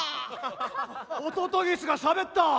ホトトギスがしゃべった！